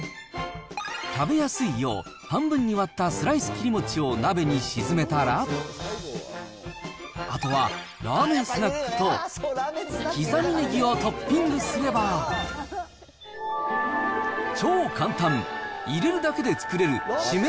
食べやすいよう、半分に割ったスライス切り餅を鍋に沈めたら、あとはラーメンスナックと刻みねぎをトッピングすれば、超簡単、入れるだけで作れる締め